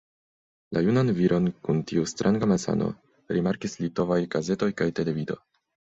La junan viron kun tiu stranga malsano rimarkis litovaj gazetoj kaj televido.